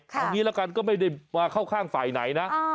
เอางี้ละกันก็ไม่ได้มาเข้าข้างฝ่ายไหนนะ